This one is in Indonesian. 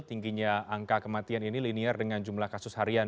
tingginya angka kematian ini linear dengan jumlah kasus harian